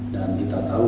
dan kita tahu